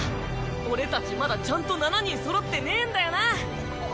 俺たちまだちゃんと七人そろってねぇんだよな。